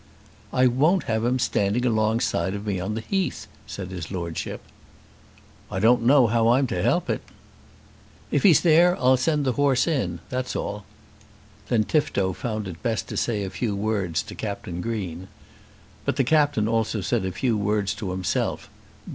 "I won't have him standing alongside of me on the Heath," said his Lordship. "I don't know how I'm to help it." "If he's there I'll send the horse in; that's all." Then Tifto found it best to say a few words to Captain Green. But the Captain also said a few words to himself.